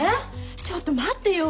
ちょっと待ってよ！